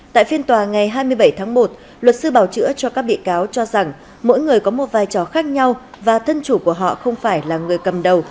tại phiên tòa ngày hai mươi bảy tháng một luật sư bảo chữa cho các bị cáo cho rằng mỗi người có một vai trò khác nhau và thân chủ của họ không phải là người cầm đầu